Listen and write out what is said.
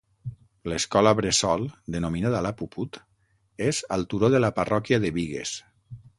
L'escola bressol, denominada La Puput és al turó de la Parròquia de Bigues.